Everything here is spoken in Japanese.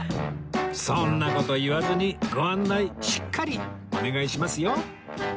そんな事言わずにご案内しっかりお願いしますよ